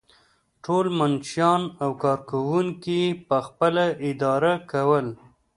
ټول منشیان او کارکوونکي یې پخپله اداره کول.